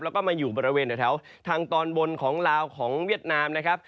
แล้วก็มาอยู่บริเวณแถวทางตอนบนของลาวของเวียดนามนะครับ